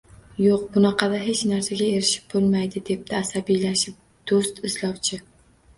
– Yo‘q, bunaqada hech narsaga erishib bo‘lmaydi, – debdi asabiylashib do‘st izlovchi